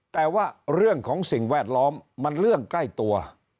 แต่ว่าเรื่องของสิ่งแวดล้อมมันเรื่องใกล้ตัว